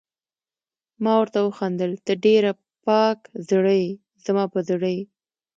ما ورته وخندل: ته ډېره پاک زړه يې، زما په زړه یې.